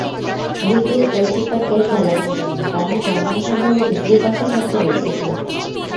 দ্বিতীয় গোলকিপারকে খেলানো যায়নি, কারণ সন্তানসম্ভবা স্ত্রীর পাশে থাকতে গেছে সে।